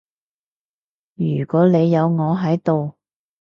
如果你有我喺度